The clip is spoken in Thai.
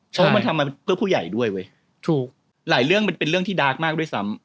เพราะว่ามันทำมาเพื่อผู้ใหญ่ด้วยเว้ยถูกหลายเรื่องมันเป็นเรื่องที่ดาร์กมากด้วยซ้ำ